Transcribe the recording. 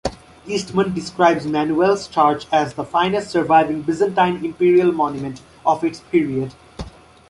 Eastmond describes Manuel's church as the finest surviving Byzantine imperial monument of its period.